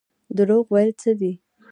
دروغ ویل څه دي؟